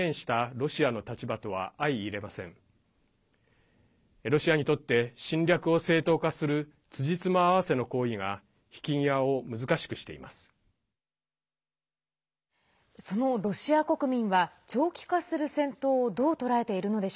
ロシアにとって侵略を正当化するつじつま合わせの行為が引き際を難しくしています。